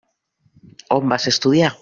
On vas estudiar?